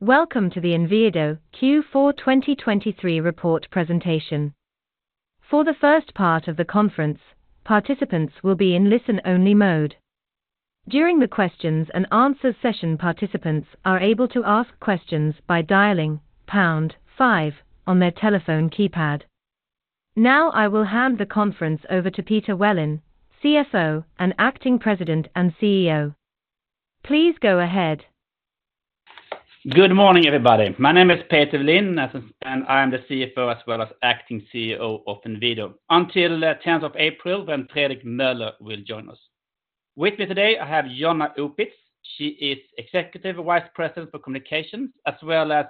Welcome to the Inwido Q4 2023 report presentation. For the first part of the conference, participants will be in listen-only mode. During the Q&A session, participants are able to ask questions by dialing pound five on their telephone keypad. Now, I will hand the conference over to Peter Welin, CFO and Acting President and CEO. Please go ahead. Good morning, everybody. My name is Peter Welin, and I am the CFO as well as acting CEO of Inwido, until the 10th of April, when Fredrik Meuller will join us. With me today, I have Jonna Opitz. She is Executive Vice President for Communications, as well as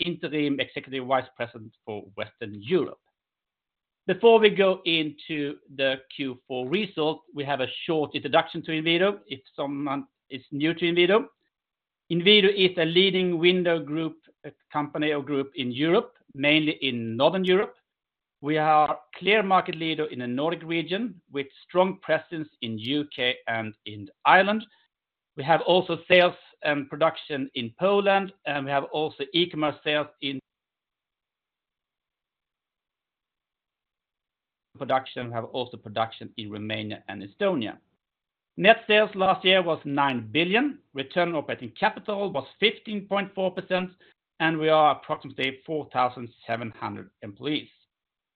Interim Executive Vice President for Western Europe. Before we go into the Q4 result, we have a short introduction to Inwido, if someone is new to Inwido. Inwido is a leading window group, company or group in Europe, mainly in Northern Europe. We are a clear market leader in the Nordic region, with strong presence in U.K. and in Ireland. We have also sales and production in Poland, and we have also e-commerce sales in production. We have also production in Romania and Estonia. Net sales last year was 9 billion, Return on Operating Capital was 15.4%, and we are approximately 4,700 employees.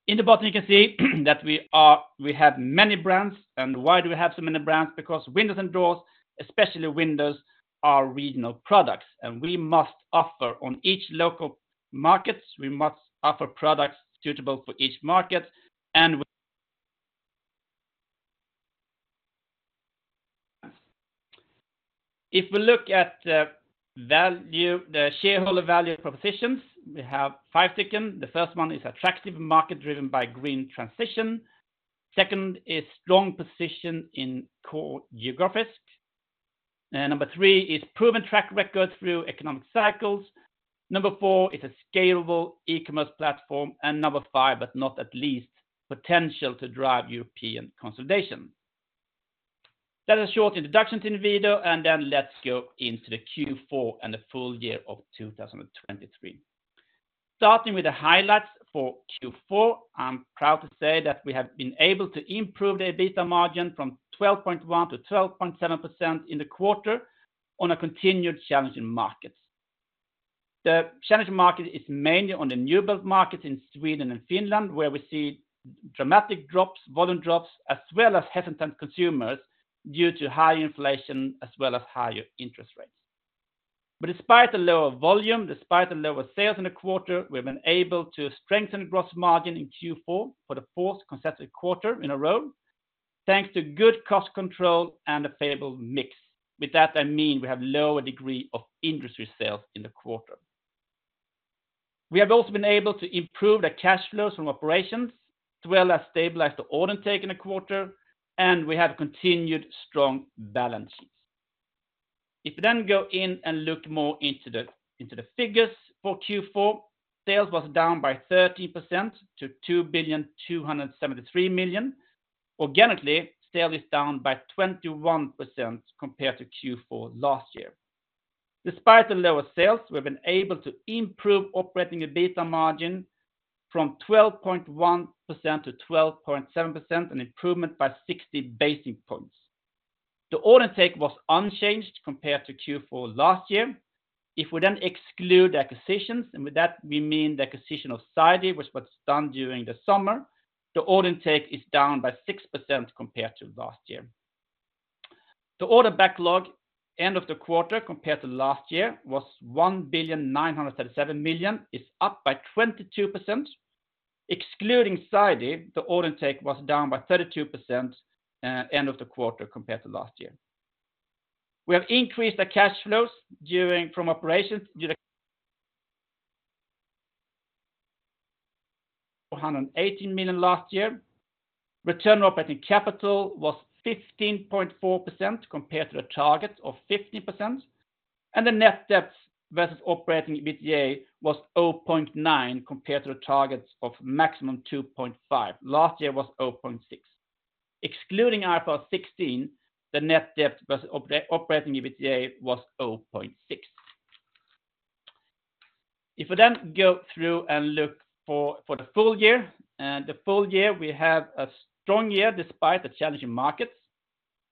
In the bottom, you can see that we have many brands. And why do we have so many brands? Because windows and doors, especially windows, are regional products, and we must offer on each local markets, we must offer products suitable for each market, and we, If we look at the value, the shareholder value propositions, we have five taken. The first one is attractive market driven by green transition. Second is strong position in core geographies. Number three is proven track record through economic cycles. Number four is a scalable e-commerce platform, and number five, but not least, potential to drive European consolidation. That's a short introduction to Inwido, and then let's go into the Q4 and the full year of 2023. Starting with the highlights for Q4, I'm proud to say that we have been able to improve the EBITDA margin from 12.1% to 12.7% in the quarter on a continued challenging market. The challenging market is mainly on the new build market in Sweden and Finland, where we see dramatic drops, volume drops, as well as hesitant consumers due to high inflation as well as higher interest rates. But despite the lower volume, despite the lower sales in the quarter, we've been able to strengthen gross margin in Q4 for the fourth consecutive quarter in a row, thanks to good cost control and a favorable mix. With that, I mean, we have lower degree of industry sales in the quarter. We have also been able to improve the cash flows from operations, as well as stabilize the order intake in the quarter, and we have continued strong balance sheets. If you then go in and look more into the figures for Q4, sales was down by 13% to 2,273 million. Organically, sales was down by 21% compared to Q4 last year. Despite the lower sales, we've been able to improve operating EBITDA margin from 12.1% to 12.7%, an improvement by 60 basis points. The order intake was unchanged compared to Q4 last year. If we then exclude acquisitions, and with that we mean the acquisition of Sidey, which was done during the summer, the order intake is down by 6% compared to last year. The order backlog, end of the quarter, compared to last year, was 1,937 million, is up by 22%. Excluding Sidey, the order intake was down by 32%, end of the quarter compared to last year. We have increased the cash flows from operations to 418 million last year. Return operating capital was 15.4% compared to the target of 50%, and the net debt versus operating EBITDA was 0.9 compared to the targets of maximum 2.5. Last year was 0.6. Excluding IFRS 16, the net debt versus operating EBITDA was 0.6. If we then go through and look for, for the full year, the full year, we have a strong year despite the challenging markets.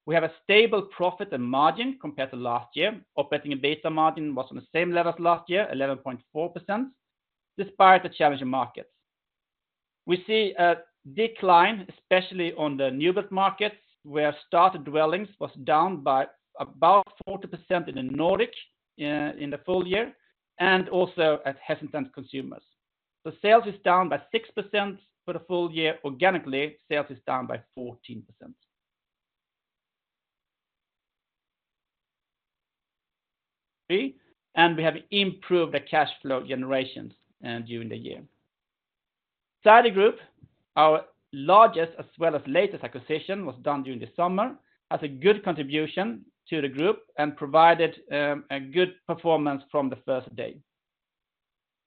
We have a stable profit and margin compared to last year. Operating EBITDA margin was on the same level as last year, 11.4%, despite the challenging markets. We see a decline, especially on the new build markets, where started dwellings was down by about 40% in the Nordic in the full year, and also at hesitant consumers. The sales is down by 6% for the full year. Organically, sales is down by 14%. And we have improved the cash flow generations during the year. Sidey Group, our largest as well as latest acquisition, was done during the summer, has a good contribution to the group and provided a good performance from the first day.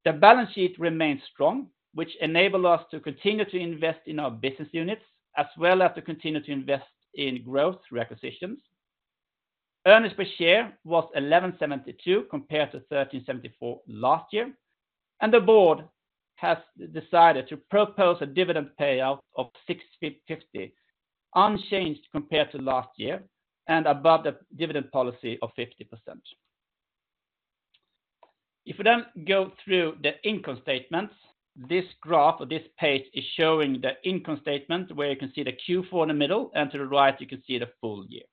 The balance sheet remains strong, which enable us to continue to invest in our business units, as well as to continue to invest in growth acquisitions. Earnings per share was 11.72, compared to 13.74 last year, and the board has decided to propose a dividend payout of 6.50, unchanged compared to last year, and above the dividend policy of 50%. If we then go through the income statements, this graph or this page is showing the income statement, where you can see the Q4 in the middle, and to the right, you can see the full year.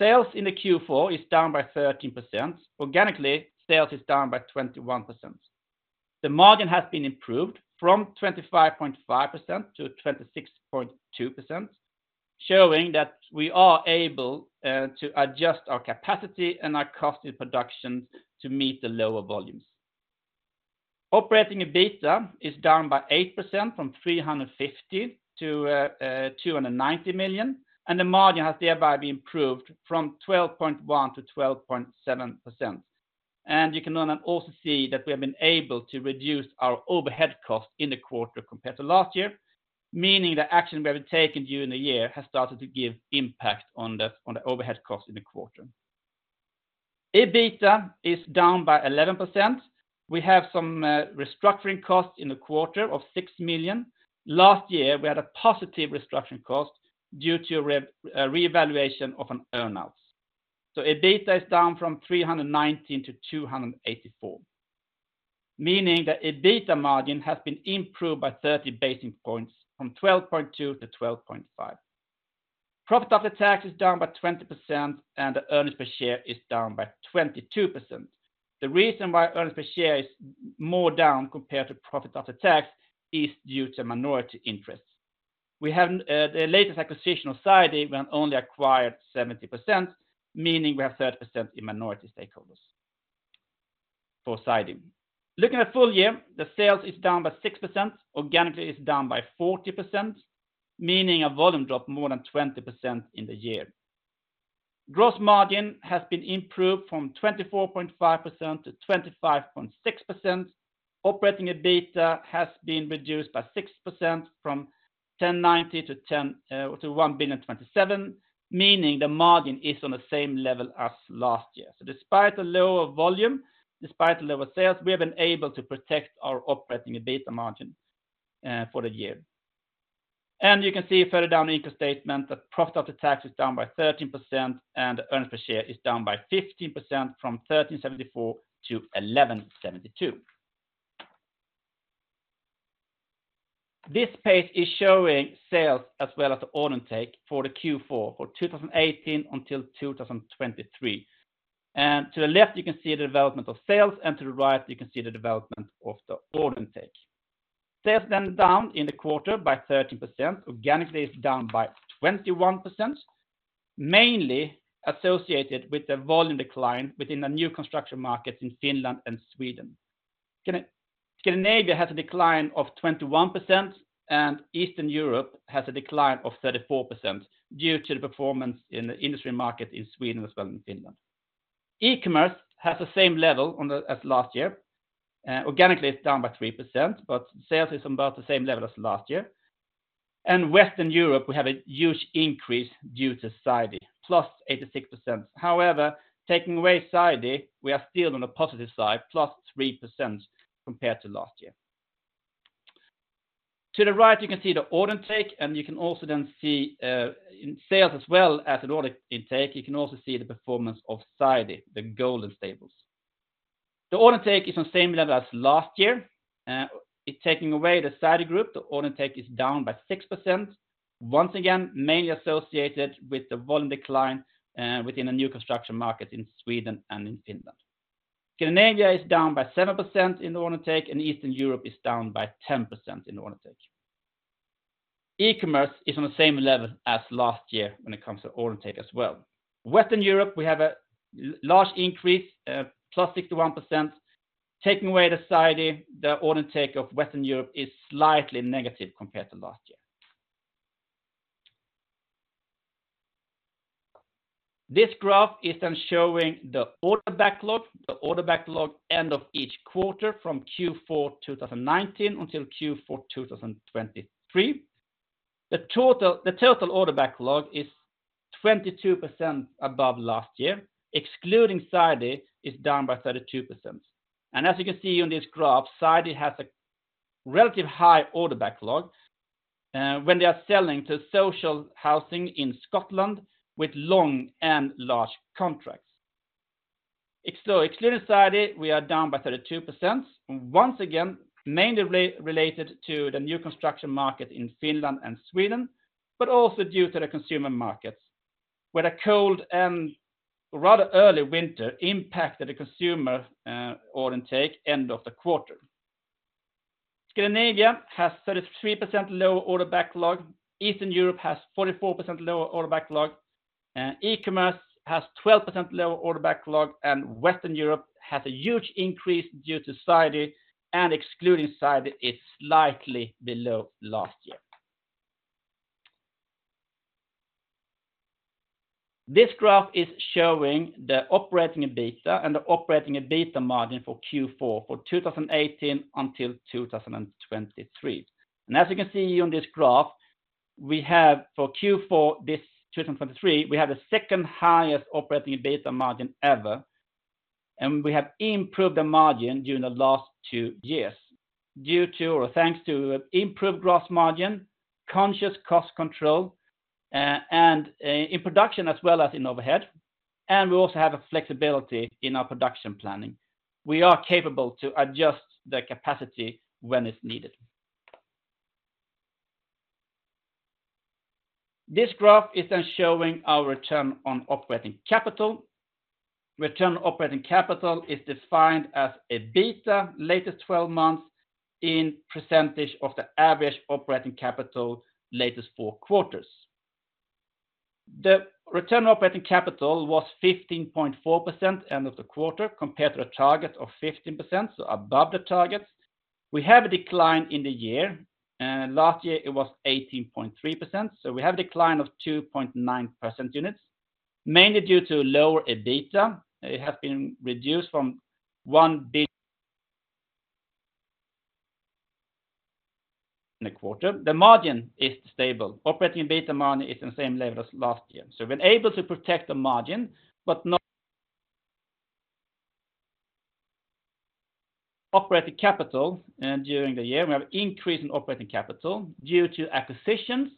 Sales in the Q4 is down by 13%. Organically, sales is down by 21%. The margin has been improved from 25.5% to 26.2%, showing that we are able to adjust our capacity and our cost in production to meet the lower volumes. Operating EBITDA is down by 8% from 350 million to 290 million, and the margin has thereby been improved from 12.1% to 12.7%. You can then also see that we have been able to reduce our overhead costs in the quarter compared to last year, meaning the action we have taken during the year has started to give impact on the overhead costs in the quarter. EBITDA is down by 11%. We have some restructuring costs in the quarter of 6 million. Last year, we had a positive restructuring cost due to a reevaluation of an earnouts. EBITDA is down from 319 to 284. Meaning that EBITDA margin has been improved by 30 basis points from 12.2% to 12.5%. Profit after tax is down by 20%, and the earnings per share is down by 22%. The reason why earnings per share is more down compared to profit after tax is due to minority interests. We have, the latest acquisition of Sidey, we only acquired 70%, meaning we have 30% in minority stakeholders for Sidey. Looking at full year, the sales is down by 6%. Organically, it's down by 40%, meaning a volume drop more than 20% in the year. Gross margin has been improved from 24.5% to 25.6%. Operating EBITDA has been reduced by 6% from 1,090 million to 1,027 million, meaning the margin is on the same level as last year. So despite the lower volume, despite the lower sales, we have been able to protect our operating EBITDA margin for the year. And you can see further down the income statement, the profit before tax is down by 13%, and the earnings per share is down by 15% from 13.74 to 11.72. This page is showing sales as well as the order intake for the Q4 for 2018 until 2023. And to the left, you can see the development of sales, and to the right, you can see the development of the order intake. Sales then down in the quarter by 13%. Organically, it's down by 21%, mainly associated with the volume decline within the new construction markets in Finland and Sweden. Scandinavia has a decline of 21%, and Eastern Europe has a decline of 34% due to the performance in the industry market in Sweden as well in Finland. E-commerce has the same level as last year. Organically, it's down by 3%, but sales is on about the same level as last year. Western Europe, we have a huge increase due to Sidey, plus 86%. However, taking away Sidey, we are still on a positive side, plus 3% compared to last year. To the right, you can see the order intake, and you can also then see, in sales as well as an order intake, you can also see the performance of Sidey, the golden staples. The order intake is on the same level as last year. Excluding the Sidey Group, the order intake is down by 6%. Once again, mainly associated with the volume decline within a new construction market in Sweden and in Finland. Scandinavia is down by 7% in the order intake, and Eastern Europe is down by 10% in order intake. e-commerce is on the same level as last year when it comes to order intake as well. Western Europe, we have a large increase, plus 61%. Taking away the Sidey, the order intake of Western Europe is slightly negative compared to last year. This graph is then showing the order backlog, the order backlog end of each quarter from Q4 2019 until Q4 2023. The total, the total order backlog is 22% above last year. Excluding Sidey, is down by 32%. As you can see on this graph, Sidey has a relative high order backlog, when they are selling to social housing in Scotland with long and large contracts. Excluding Sidey, we are down by 32%, once again, mainly related to the new construction market in Finland and Sweden, but also due to the consumer markets, where a cold and rather early winter impacted the consumer, order intake end of the quarter. Scandinavia has 33% lower order backlog, Eastern Europe has 44% lower order backlog, and e-commerce has 12% lower order backlog, and Western Europe has a huge increase due to Sidey, and excluding Sidey, it's slightly below last year. This graph is showing the operating EBITDA and the operating EBITDA margin for Q4 for 2018 until 2023. As you can see on this graph, we have for Q4 2023, we have the second highest operating EBITDA margin ever, and we have improved the margin during the last two years due to or thanks to improved gross margin, conscious cost control, in production as well as in overhead, and we also have a flexibility in our production planning. We are capable to adjust the capacity when it's needed. This graph is then showing our return on operating capital. Return on operating capital is defined as EBITDA latest 12 months in percentage of the average operating capital, latest four quarters. The return on operating capital was 15.4% end of the quarter, compared to a target of 15%, so above the target. We have a decline in the year, and last year it was 18.3%, so we have a decline of 2.9 percentage points, mainly due to lower EBITDA. It has been reduced from 1 billion in the quarter. The margin is stable. Operating EBITDA margin is the same level as last year, so we've been able to protect the margin, but not operating capital, and during the year, we have increased in operating capital due to acquisitions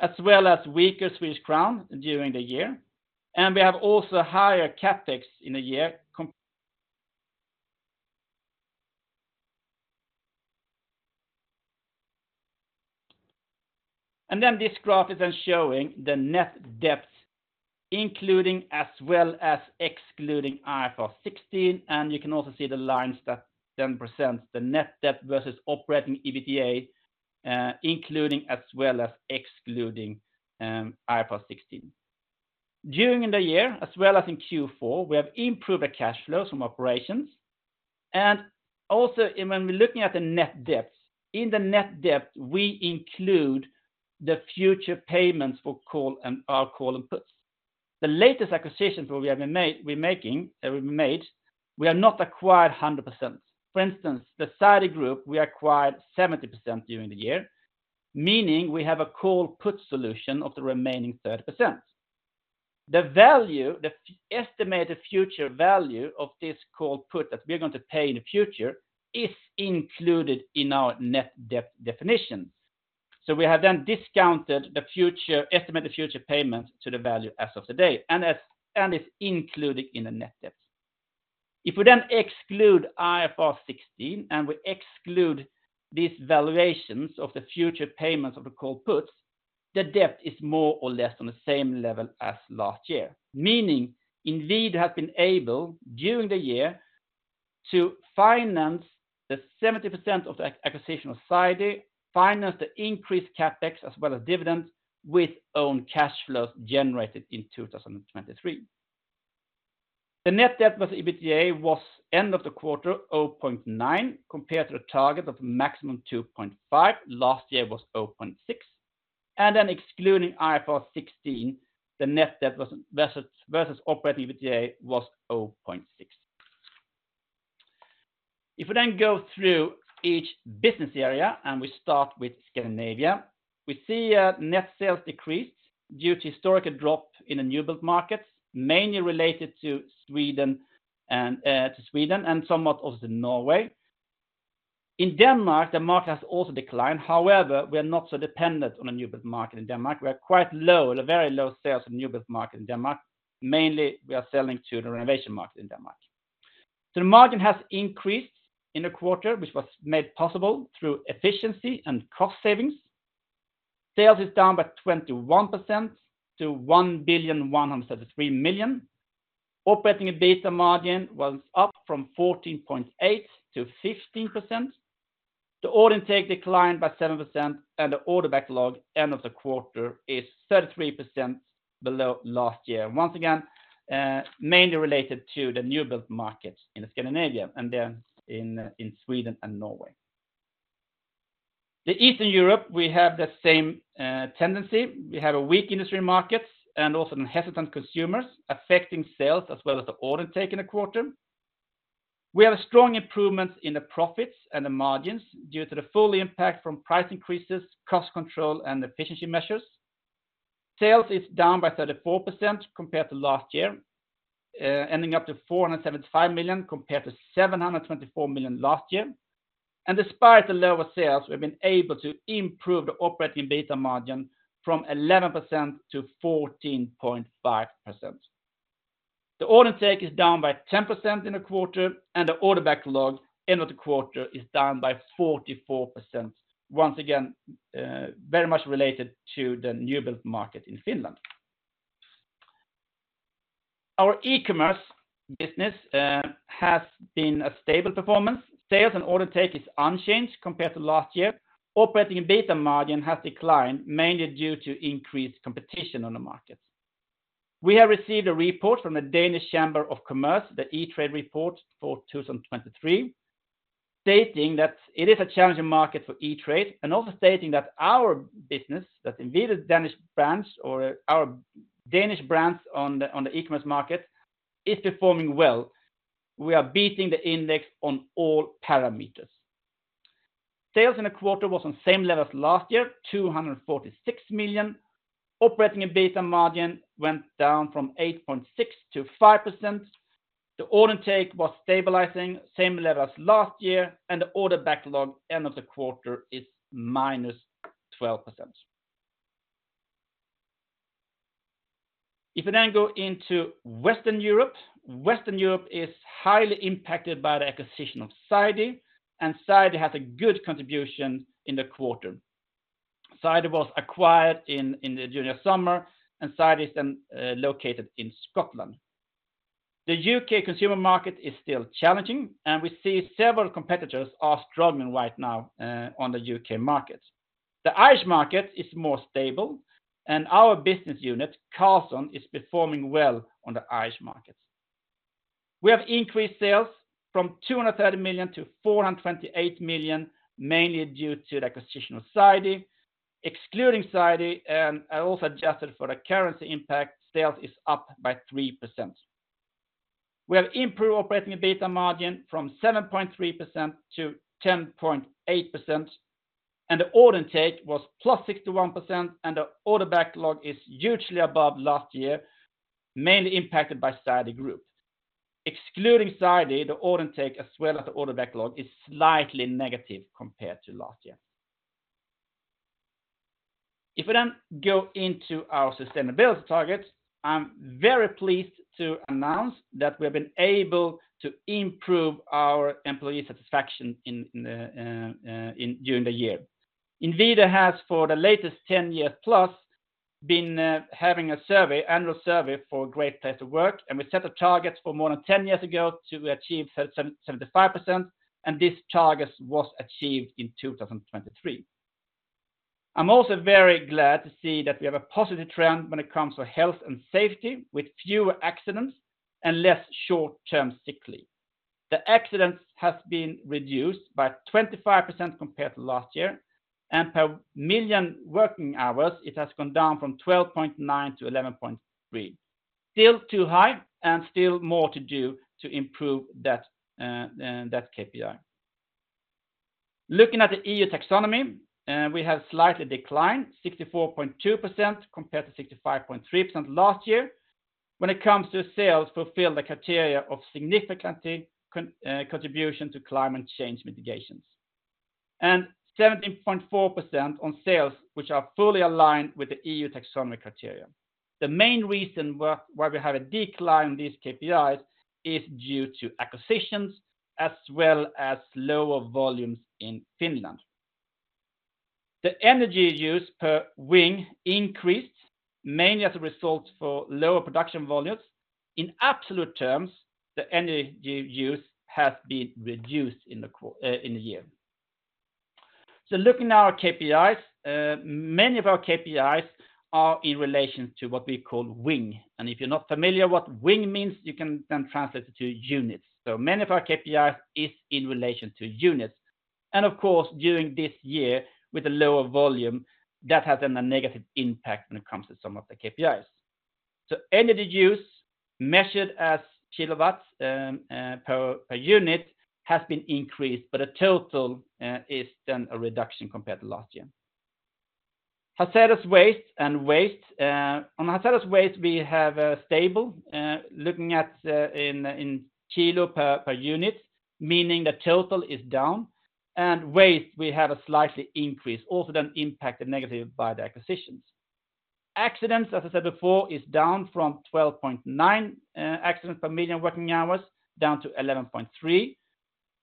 as well as weaker Swedish krona during the year. And we have also higher CapEx in a year. And then this graph is showing the net debt, including as well as excluding IFRS 16, and you can also see the lines that presents the net debt versus operating EBITDA, including as well as excluding IFRS 16. During the year, as well as in Q4, we have improved the cash flows from operations, and also when we're looking at the net debt, in the net debt, we include the future payments for call and put. The latest acquisitions that we've made, we have not acquired 100%. For instance, the Sidey Group, we acquired 70% during the year, meaning we have a call put solution of the remaining 30%. The estimated future value of this call put that we're going to pay in the future is included in our net debt definitions. So we have then discounted the estimated future payments to the value as of today, and is included in the net debt. If we then exclude IFRS 16, and we exclude these valuations of the future payments of the call puts, the debt is more or less on the same level as last year. Meaning, Inwido has been able, during the year, to finance the 70% of the acquisition of Sidey, finance the increased CapEx, as well as dividends, with own cash flows generated in 2023. The net debt versus EBITDA was end of the quarter, 0.9, compared to the target of maximum 2.5. Last year was 0.6, and then excluding IFRS 16, the net debt versus operating EBITDA was 0.6. If we then go through each business area, and we start with Scandinavia, we see, net sales decreased due to historical drop in the new build markets, mainly related to Sweden and, to Sweden, and somewhat also Norway. In Denmark, the market has also declined. However, we are not so dependent on a new build market in Denmark. We are quite low, at a very low sales in new build market in Denmark. Mainly, we are selling to the renovation market in Denmark. The margin has increased in the quarter, which was made possible through efficiency and cost savings. Sales is down by 21% to 1,133 million. Operating EBITDA margin was up from 14.8% to 15%. The order intake declined by 7%, and the order backlog, end of the quarter, is 33% below last year. Once again, mainly related to the new build markets in the Scandinavia, and then in Sweden and Norway. The Eastern Europe, we have the same tendency. We have a weak industry markets and also hesitant consumers, affecting sales as well as the order take in a quarter. We have a strong improvement in the profits and the margins due to the full impact from price increases, cost control, and efficiency measures. Sales is down by 34% compared to last year, ending up to 475 million, compared to 724 million last year. And despite the lower sales, we've been able to improve the operating EBITDA margin from 11% to 14.5%. The order take is down by 10% in the quarter, and the order backlog, end of the quarter, is down by 44%. Once again, very much related to the new build market in Finland. Our e-commerce business has been a stable performance. Sales and order take is unchanged compared to last year. Operating EBITDA margin has declined, mainly due to increased competition on the market. We have received a report from the Danish Chamber of Commerce, the e-trade report for 2023, stating that it is a challenging market for e-trade, and also stating that our business, that Inwido Danish brands or our Danish brands on the, on the e-commerce market, is performing well. We are beating the index on all parameters. Sales in the quarter was on same level as last year, 246 million. Operating EBITDA margin went down from 8.6% to 5%. The order intake was stabilizing, same level as last year, and the order backlog end of the quarter is -12%. If we then go into Western Europe, Western Europe is highly impacted by the acquisition of Sidey, and Sidey has a good contribution in the quarter. Sidey was acquired in the summer, and Sidey is then located in Scotland. The UK consumer market is still challenging, and we see several competitors are struggling right now on the UK market. The Irish market is more stable, and our business unit, Carlson, is performing well on the Irish markets. We have increased sales from 230 million to 428 million, mainly due to the acquisition of Sidey. Excluding Sidey, and also adjusted for the currency impact, sales is up by 3%. We have improved operating EBITDA margin from 7.3% to 10.8%, and the order intake was +61%, and the order backlog is hugely above last year, mainly impacted by Sidey Group. Excluding Sidey, the order intake, as well as the order backlog, is slightly negative compared to last year. If we then go into our sustainability targets, I'm very pleased to announce that we have been able to improve our employee satisfaction during the year. Inwido has, for the latest 10 years plus, been having a survey, annual survey, for Great Place to Work, and we set a target for more than 10 years ago to achieve 75%, and this target was achieved in 2023. I'm also very glad to see that we have a positive trend when it comes to health and safety, with fewer accidents and less short-term sick leave. The accidents has been reduced by 25% compared to last year, and per million working hours, it has gone down from 12.9 to 11.3. Still too high and still more to do to improve that, uh, that KPI. Looking at the EU Taxonomy, we have slightly declined, 64.2% compared to 65.3% last year. When it comes to sales, fulfill the criteria of significant contribution to climate change mitigation, and 17.4% on sales, which are fully aligned with the EU Taxonomy criteria. The main reason why we have a decline in these KPIs is due to acquisitions as well as lower volumes in Finland. The energy use per wing increased, mainly as a result for lower production volumes. In absolute terms, the energy use has been reduced in the year. So looking at our KPIs, many of our KPIs are in relation to what we call wing, and if you're not familiar what wing means, you can then translate it to units. So many of our KPIs is in relation to units, and of course, during this year, with a lower volume, that has been a negative impact when it comes to some of the KPIs. So energy use, measured as kilowatts, per unit, has been increased, but the total is then a reduction compared to last year. Hazardous waste and waste, on hazardous waste, we have stable, looking at in kilo per unit, meaning the total is down, and waste, we have a slightly increase, also then impacted negative by the acquisitions. Accidents, as I said before, is down from 12.9 accidents per million working hours, down to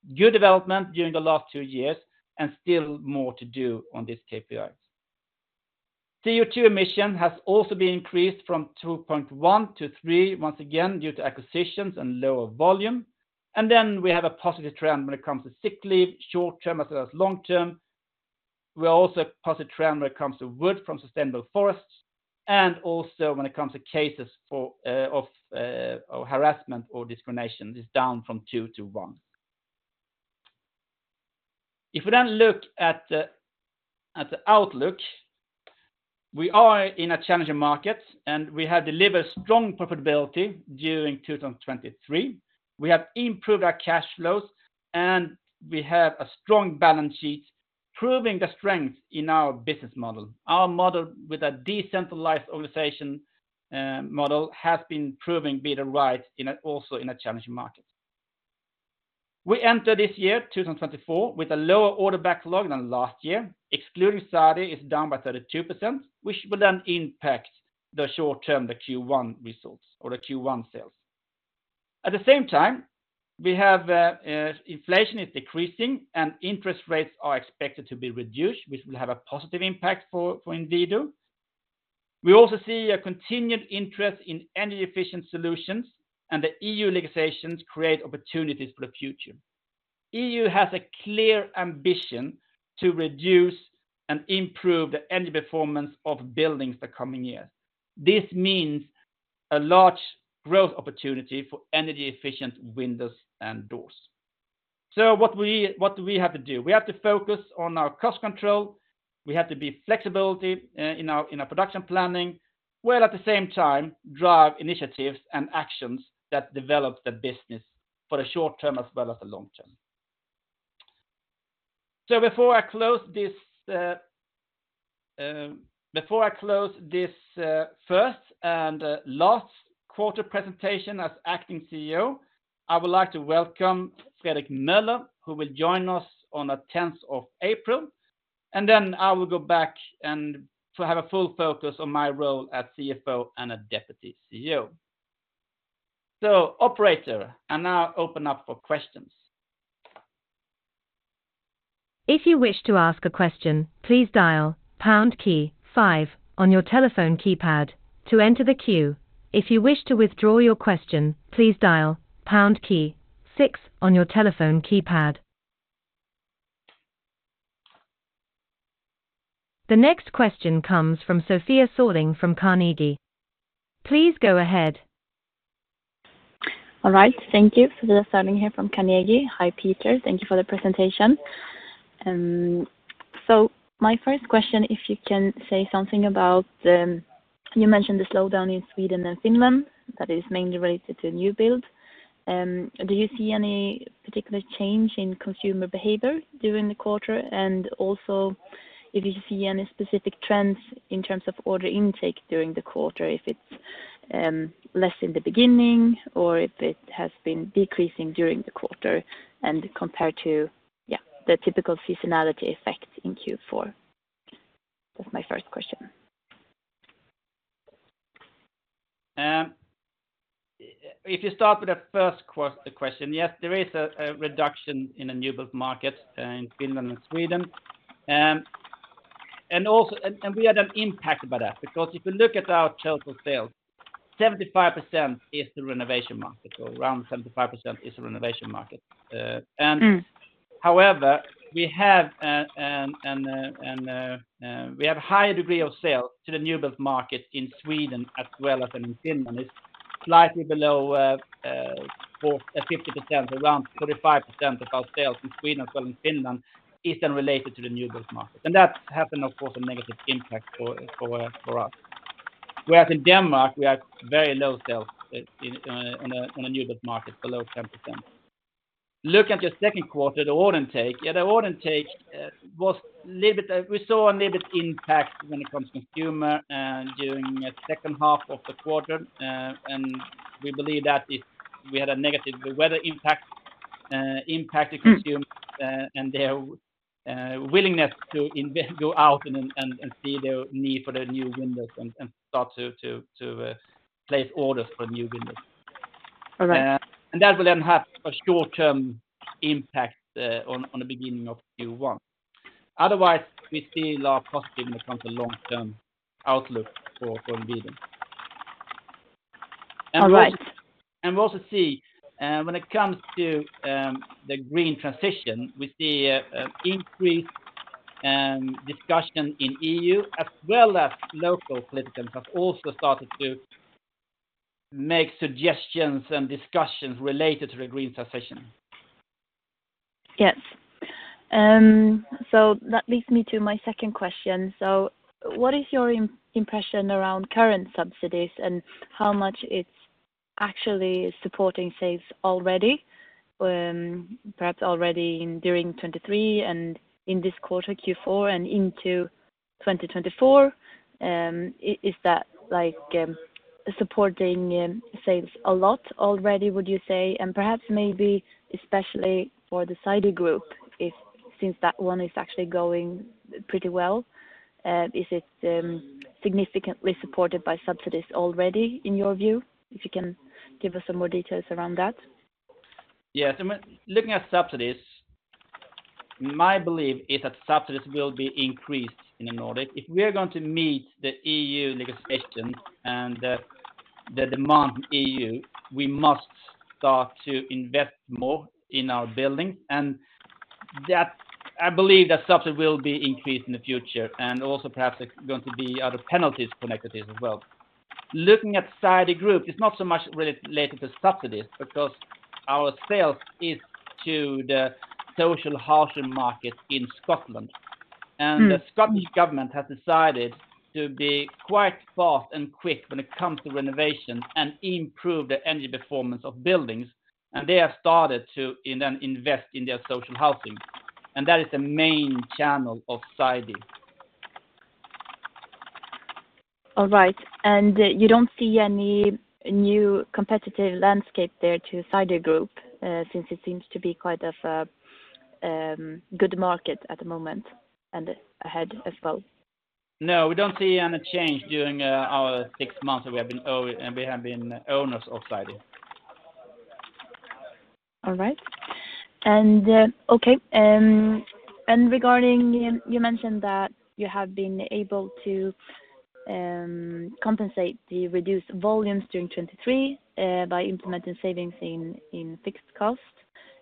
11.3. Good development during the last two years and still more to do on these KPIs. CO2 emission has also been increased from 2.1 to 3, once again, due to acquisitions and lower volume. Then we have a positive trend when it comes to sick leave, short term as well as long term. We are also a positive trend when it comes to wood from sustainable forests, and also when it comes to cases of harassment or discrimination, is down from two to one. If we then look at the outlook, we are in a challenging market, and we have delivered strong profitability during 2023. We have improved our cash flows, and we have a strong balance sheet, proving the strength in our business model. Our model with a decentralized organization has been proving to be the right in a, also in a challenging market. We enter this year, 2024, with a lower order backlog than last year. Excluding Sidey, it's down by 32%, which will then impact the short term, the Q1 results or the Q1 sales. At the same time, we have inflation is decreasing and interest rates are expected to be reduced, which will have a positive impact for Inwido. We also see a continued interest in energy efficient solutions, and the EU legislations create opportunities for the future. EU has a clear ambition to reduce and improve the energy performance of buildings the coming years. This means a large growth opportunity for energy efficient windows and doors. So what we, what do we have to do? We have to focus on our cost control. We have to be flexibility in our production planning, while at the same time drive initiatives and actions that develop the business for the short term as well as the long term. So before I close this, first and last quarter presentation as acting CEO, I would like to welcome Fredrik Meuller, who will join us on the tenth of April, and then I will go back and to have a full focus on my role as CFO and a deputy CEO. So operator, I now open up for questions. If you wish to ask a question, please dial pound key five on your telephone keypad to enter the queue. If you wish to withdraw your question, please dial pound key six on your telephone keypad. The next question comes from Sofia Sörling from Carnegie. Please go ahead. All right. Thank you. Sofia Sörling here from Carnegie. Hi, Peter. Thank you for the presentation. So my first question, if you can say something about, you mentioned the slowdown in Sweden and Finland, that is mainly related to new build. Do you see any particular change in consumer behavior during the quarter? And also if you see any specific trends in terms of order intake during the quarter, if it's, less in the beginning or if it has been decreasing during the quarter and compared to, yeah, the typical seasonality effect in Q4? That's my first question. If you start with the first question, yes, there is a reduction in the new build market in Finland and Sweden. And also, we had an impact by that, because if you look at our total sales, 75% is the renovation market, so around 75% is the renovation market. And, Mm. However, we have a high degree of sales to the new build market in Sweden as well as in Finland. It's slightly below 45%, around 45% of our sales in Sweden as well in Finland, is then related to the new build market. And that had, of course, a negative impact for us. Whereas in Denmark, we have very low sales in the new build market, below 10%. Look at your Q2, the order intake. Yeah, the order intake was a little bit we saw a little bit impact when it comes to consumer during the second half of the quarter, and we believe that is we had a negative, the weather impact impacted Mm consumer, and their willingness to invest, go out and see their need for the new windows and start to place orders for new windows. All right. That will then have a short-term impact on the beginning of Q1. Otherwise, we see a lot of positive when it comes to long-term outlook from Inwido. All right. And we also see, when it comes to the green transition, we see an increased discussion in EU, as well as local politicians have also started to make suggestions and discussions related to the green transition. Yes. So that leads me to my second question. So what is your impression around current subsidies and how much it's actually supporting sales already? Perhaps already in, during 2023 and in this quarter, Q4, and into 2024. Is that like supporting sales a lot already, would you say? And perhaps, maybe especially for the Sidey Group, if since that one is actually going pretty well, is it significantly supported by subsidies already in your view? If you can give us some more details around that. Yeah, so when looking at subsidies, my belief is that subsidies will be increased in the Nordic. If we are going to meet the EU negotiation and the demand EU, we must start to invest more in our building. And that, I believe that subsidy will be increased in the future, and also perhaps it's going to be other penalties connected to it as well. Looking at Sidey Group, it's not so much related to subsidies, because our sales is to the social housing market in Scotland. Mm. The Scottish government has decided to be quite fast and quick when it comes to renovation and improve the energy performance of buildings, and they have started to invest in their social housing. And that is the main channel of Sidey. All right. You don't see any new competitive landscape there to Sidey Group, since it seems to be quite of a good market at the moment and ahead as well? No, we don't see any change during our six months that we have been owners of Sidey. All right. And, okay, and regarding you, you mentioned that you have been able to compensate the reduced volumes during 2023 by implementing savings in, in fixed cost.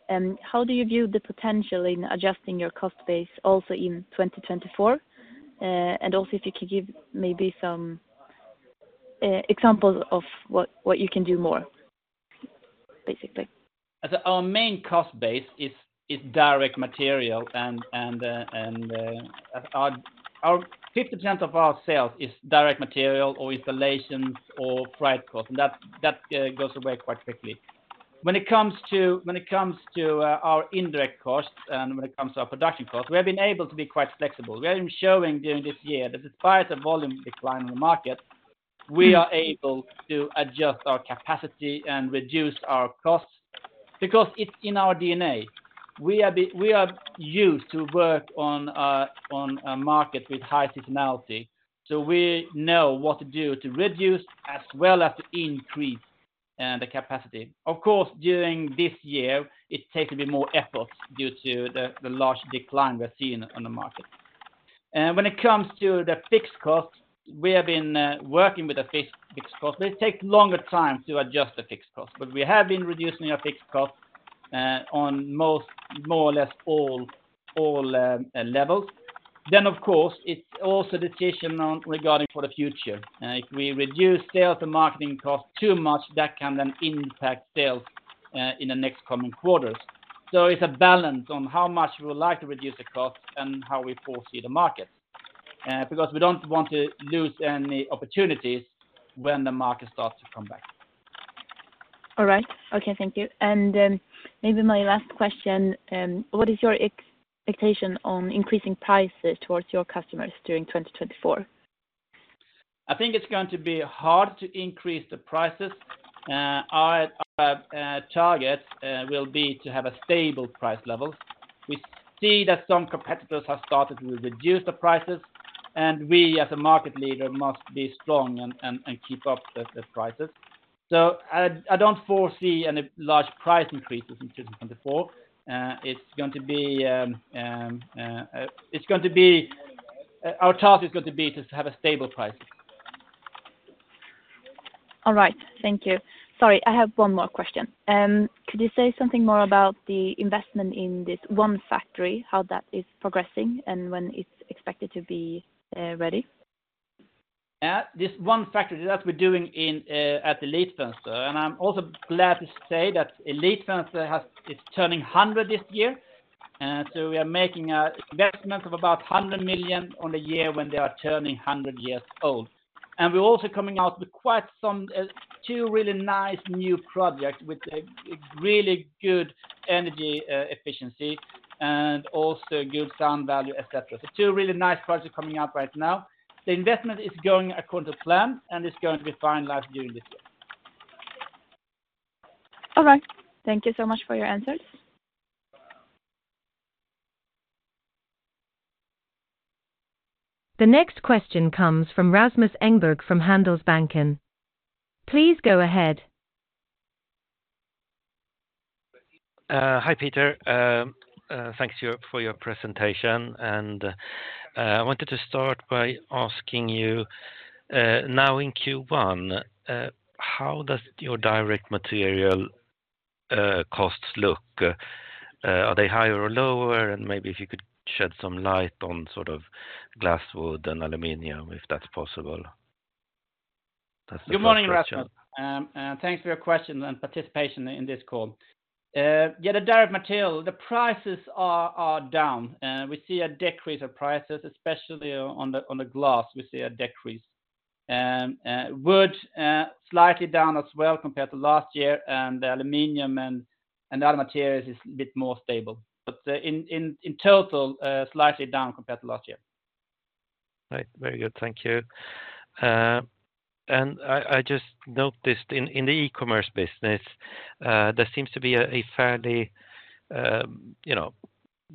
And how do you view the potential in adjusting your cost base also in 2024? And also if you could give maybe some examples of what, what you can do more, basically. As our main cost base is direct material, and our 50% of our sales is direct material or installation or freight cost, and that goes away quite quickly. When it comes to our indirect costs and when it comes to our production costs, we have been able to be quite flexible. We have been showing during this year that despite the volume decline in the market, we are able to adjust our capacity and reduce our costs because it's in our DNA. We are used to work on a market with high seasonality, so we know what to do to reduce as well as to increase the capacity. Of course, during this year, it takes a bit more effort due to the large decline we're seeing on the market. When it comes to the fixed costs, we have been working with the fixed costs. They take longer time to adjust the fixed costs, but we have been reducing our fixed costs on most, more or less all levels. Then, of course, it's also decision on regarding for the future. If we reduce sales and marketing costs too much, that can then impact sales in the next coming quarters. So it's a balance on how much we would like to reduce the cost and how we foresee the market, because we don't want to lose any opportunities when the market starts to come back. All right. Okay, thank you. Maybe my last question, what is your expectation on increasing prices towards your customers during 2024? I think it's going to be hard to increase the prices. Our target will be to have a stable price level. We see that some competitors have started to reduce the prices, and we, as a market leader, must be strong and keep up the prices. So I don't foresee any large price increases in 2024. Our target is going to be to have a stable price. All right, thank you. Sorry, I have one more question. Could you say something more about the investment in this one factory, how that is progressing, and when it's expected to be ready? Yeah. This one factory that we're doing in, at Elitfönster, and I'm also glad to say that Elitfönster has. It's turning 100 this year. So we are making a investment of about 100 million in the year when they are turning 100 years old. And we're also coming out with quite some, two really nice new projects with a really good energy efficiency and also good sound value, et cetera. So two really nice projects coming up right now. The investment is going according to plan, and it's going to be finalized during this year. All right. Thank you so much for your answers. The next question comes from Rasmus Engberg, from Handelsbanken. Please go ahead. Hi, Peter. Thank you for your presentation, and I wanted to start by asking you, now in Q1, how does your direct material costs look? Are they higher or lower? And maybe if you could shed some light on sort of glass, wood, and aluminum, if that's possible. Good morning, Rasmus, and thanks for your question and participation in this call. Yeah, the direct material, the prices are down, and we see a decrease of prices, especially on the glass, we see a decrease. Wood, slightly down as well compared to last year, and the aluminum and other materials is a bit more stable. But, in total, slightly down compared to last year. Right. Very good. Thank you. And I just noticed in the e-commerce business, there seems to be a fairly, you know,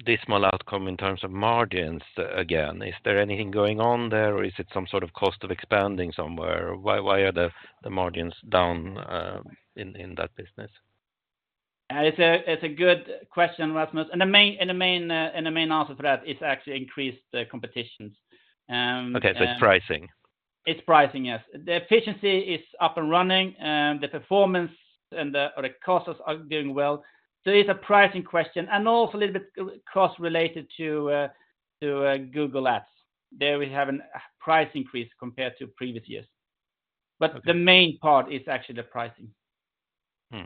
dismal outcome in terms of margins again. Is there anything going on there, or is it some sort of cost of expanding somewhere? Why are the margins down in that business? It's a good question, Rasmus. And the main answer to that is actually increased competitions. Okay, so it's pricing? It's pricing, yes. The efficiency is up and running, the performance and the, or the costs are doing well. So it's a pricing question and also a little bit cost related to Google Ads. There, we have a price increase compared to previous years. Okay. But the main part is actually the pricing. Hmm.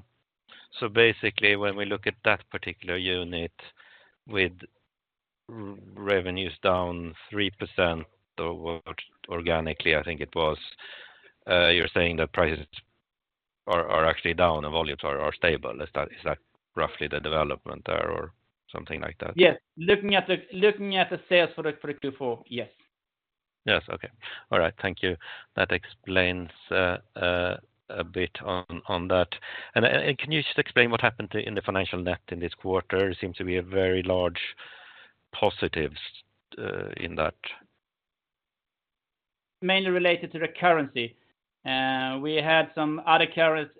So basically, when we look at that particular unit, with revenues down 3% organically, I think it was, you're saying that prices are actually down and volumes are stable. Is that roughly the development there or something like that? Yes. Looking at the sales for 2024, yes. Yes. Okay. All right. Thank you. That explains a bit on that. And can you just explain what happened in the financial net in this quarter? It seems to be a very large positives in that. Mainly related to the currency. We had some other currencies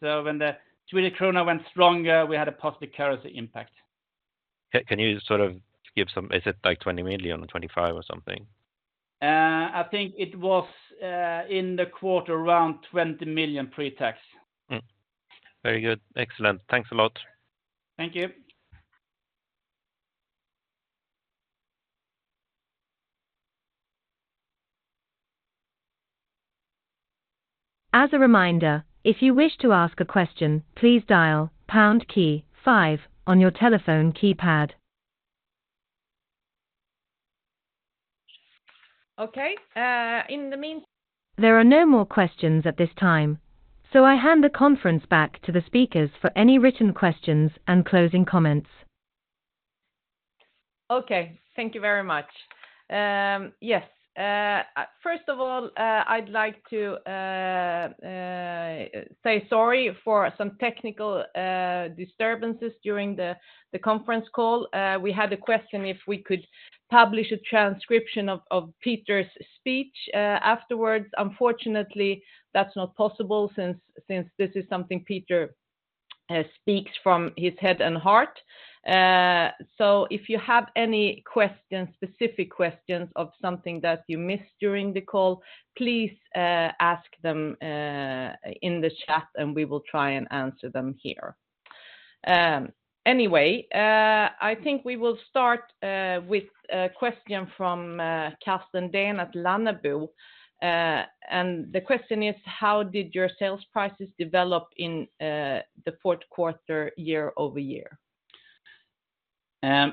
when the Swedish krona went stronger. We had a positive currency impact. Can you sort of give some, is it like 20 million or 25 million or something? I think it was in the quarter around 20 million pre-tax. Very good. Excellent. Thanks a lot. Thank you. As a reminder, if you wish to ask a question, please dial pound key five on your telephone keypad. Okay. In the meantime. There are no more questions at this time, so I hand the conference back to the speakers for any written questions and closing comments. Okay. Thank you very much. Yes. First of all, I'd like to say sorry for some technical disturbances during the conference call. We had a question if we could publish a transcription of Peter's speech afterwards. Unfortunately, that's not possible since this is something Peter speaks from his head and heart. So if you have any questions, specific questions of something that you missed during the call, please ask them in the chat, and we will try and answer them here. Anyway, I think we will start with a question from Carsten Dehn at Lannebo. And the question is: How did your sales prices develop in the Q4, year-over-year? The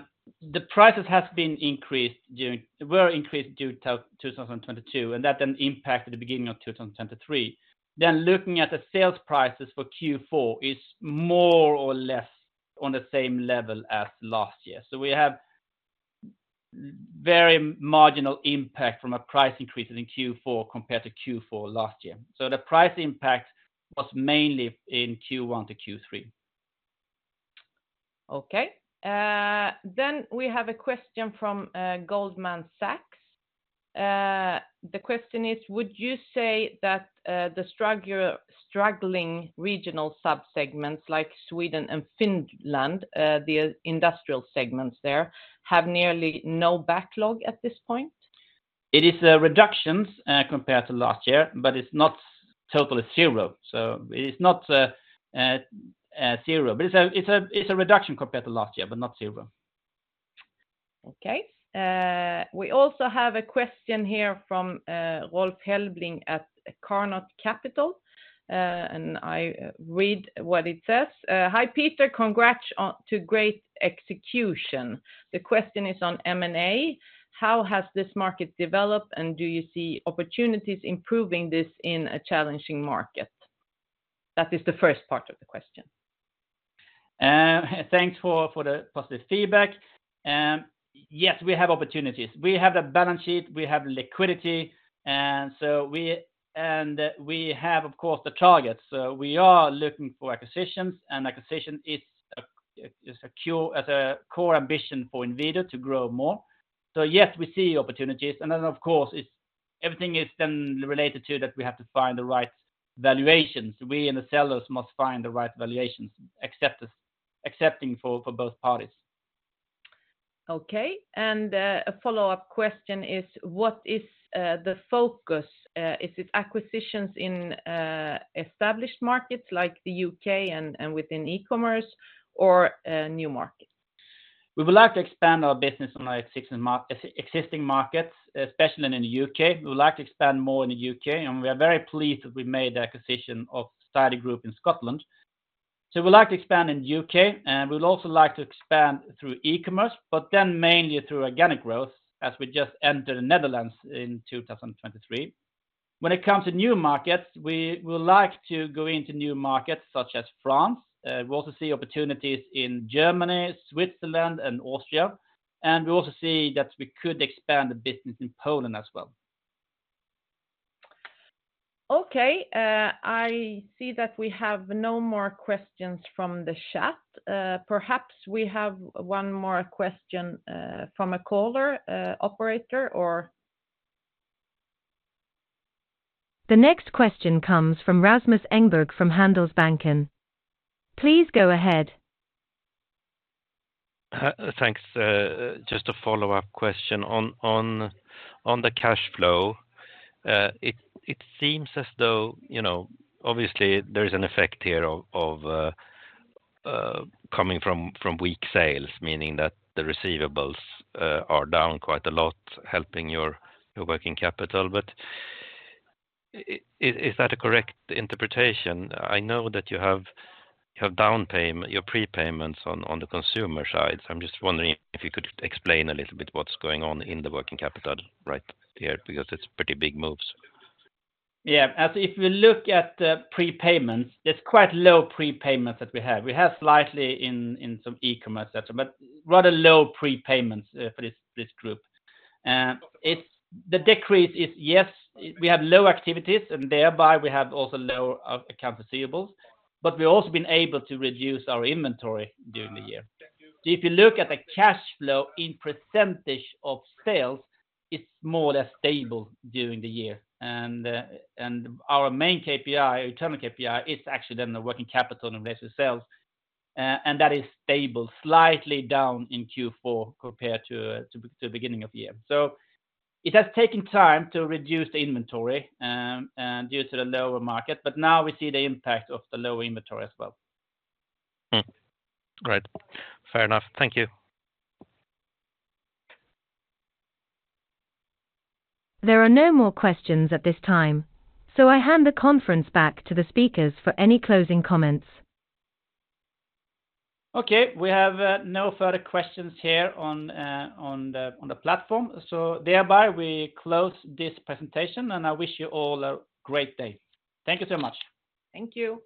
prices were increased during 2022, and that then impacted the beginning of 2023. Then looking at the sales prices for Q4 is more or less on the same level as last year. So we have very marginal impact from a price increases in Q4 compared to Q4 last year. So the price impact was mainly in Q1 to Q3. Okay. Then we have a question from Goldman Sachs. The question is, would you say that the struggling regional subsegments, like Sweden and Finland, the industrial segments there, have nearly no backlog at this point? It is a reductions, compared to last year, but it's not totally zero. So it is not, zero, but it's a reduction compared to last year, but not zero. Okay. We also have a question here from Rolf Helbling at Carnot Capital, and I read what it says. "Hi, Peter, congrats on to great execution." The question is on M&A: How has this market developed, and do you see opportunities improving this in a challenging market? That is the first part of the question. Thanks for the positive feedback. Yes, we have opportunities. We have the balance sheet, we have liquidity, and so we have, of course, the targets. So we are looking for acquisitions, and acquisition is a core ambition for Inwido to grow more. So yes, we see opportunities, and then, of course, everything is then related to that we have to find the right valuations. We and the sellers must find the right valuations, accepting this for both parties. Okay. A follow-up question is: What is the focus? Is it acquisitions in established markets like the U.K. and and within e-commerce or new markets? We would like to expand our business on our existing markets, especially in the U.K. We would like to expand more in the U.K., and we are very pleased that we made the acquisition of Sidey Group in Scotland. So we'd like to expand in the U.K., and we'd also like to expand through e-commerce, but then mainly through organic growth, as we just entered the Netherlands in 2023. When it comes to new markets, we would like to go into new markets, such as France. We also see opportunities in Germany, Switzerland, and Austria, and we also see that we could expand the business in Poland as well. Okay, I see that we have no more questions from the chat. Perhaps we have one more question, from a caller, operator, or? The next question comes from Rasmus Engberg, from Handelsbanken. Please go ahead. Thanks. Just a follow-up question on the cash flow. It seems as though, you know, obviously there is an effect here of coming from weak sales, meaning that the receivables are down quite a lot, helping your working capital. But is that a correct interpretation? I know that you have down payment, your prepayments on the consumer side. So I'm just wondering if you could explain a little bit what's going on in the working capital right here, because it's pretty big moves. Yeah. As if you look at the prepayments, there's quite low prepayments that we have. We have slightly in some e-commerce, et cetera, but rather low prepayments for this group. It's the decrease is, yes, we have low activities, and thereby we have also low account receivables, but we've also been able to reduce our inventory during the year. So if you look at the cash flow in percentage of sales, it's more or less stable during the year. And our main KPI, internal KPI, is actually then the working capital in ratio to sales, and that is stable, slightly down in Q4 compared to the beginning of the year. So it has taken time to reduce the inventory, and due to the lower market, but now we see the impact of the lower inventory as well. Great. Fair enough. Thank you. There are no more questions at this time, so I hand the conference back to the speakers for any closing comments. Okay. We have no further questions here on the platform, so thereby we close this presentation, and I wish you all a great day. Thank you so much. Thank you.